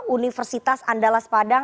universitas andalas padang